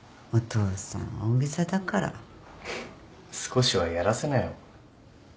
少しはやらせなよ。